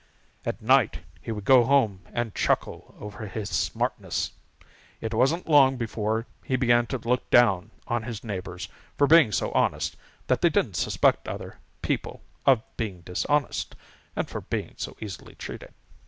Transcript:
At night he would go home and chuckle over his smartness. It wasn't long before he began to look down on his neighbors for being so honest that they didn't suspect other people of being dishonest, and for being so easily cheated.